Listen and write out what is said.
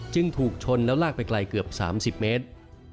ถูกชนแล้วลากไปไกลเกือบ๓๐เมตร